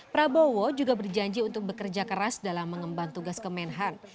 prabowo juga berjanji untuk bekerja keras dalam mengemban tugas kemenhan